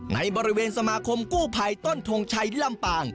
ในบริเวณสมาคมกู้ภัยต้นทงชัยลำปาง